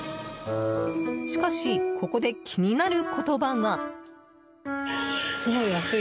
しかし、ここで気になる言葉が。